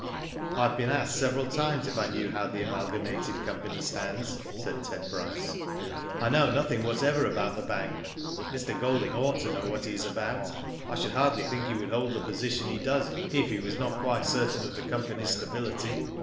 ''I have been asked several times if I knew how the Amalgamated Company stands," said Ted Bryce. " I know nothing whatever about the bank. Mr. Golding ought to know what he is about. I should hardly think he would hold the position he does if he was not quite certain of the company's stability.